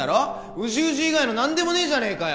ウジウジ以外の何でもねえじゃねえかよ！